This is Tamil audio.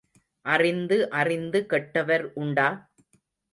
அறிந்து அறிந்து கெட்டவர் உண்டா?